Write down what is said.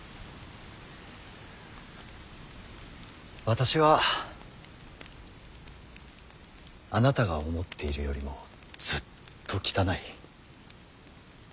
私はあなたが思っているよりもずっと汚い。